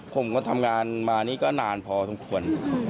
ผมก็ทำงานมานี่ก็นานพอสมควร